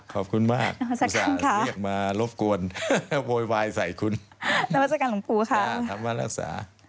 ขอบคุณมากอุตส่าห์เสียงมารบกวนโบร์ยวายใส่คุณค่ะทำมารักษา